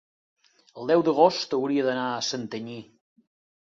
El deu d'agost hauria d'anar a Santanyí.